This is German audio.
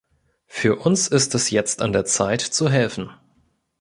Für uns ist es jetzt an der Zeit, zu helfen.